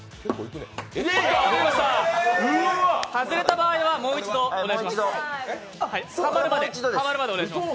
外れた場合はもう一度お願いします。